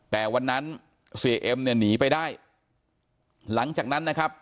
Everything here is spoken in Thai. แต่วันนั้นเสียเอ็มเนี่ยหนีไปได้หลังจากนั้นนะครับ